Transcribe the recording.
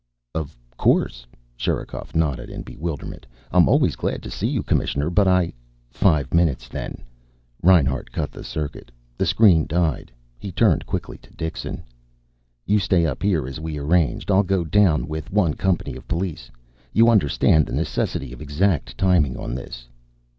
"Of course." Sherikov nodded in bewilderment. "I'm always glad to see you, Commissioner. But I " "Five minutes, then." Reinhart cut the circuit. The screen died. He turned quickly to Dixon. "You stay up here, as we arranged. I'll go down with one company of police. You understand the necessity of exact timing on this?"